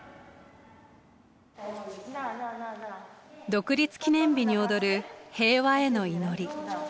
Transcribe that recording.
独立記念日に踊る平和への祈り。